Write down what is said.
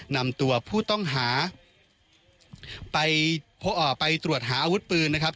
นำตัวผู้ต้องหาไปตรวจหาอาวุธปืนนะครับ